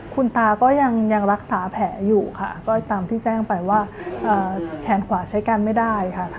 คุณตาก็ยังรักษาแผลอยู่ค่ะก็ตามที่แจ้งไปว่าแขนขวาใช้กันไม่ได้ค่ะ